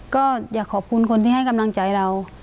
ก็อยากขอบคุณคนที่ให้กำลังใจเรา